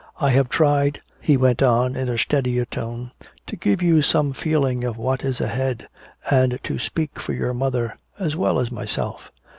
"I have tried," he went on in a steadier tone, "to give you some feeling of what is ahead and to speak for your mother as well as myself.